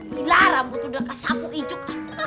gila rambut udah kesamu ijuk